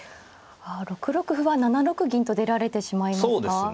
６六歩は７六銀と出られてしまいますか。